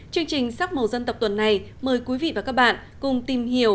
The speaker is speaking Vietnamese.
chương trình sắc màu dân tộc tuần này mời quý vị và các bạn cùng tìm hiểu